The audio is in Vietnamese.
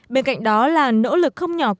bên cạnh đó là nỗ lực không nhỏ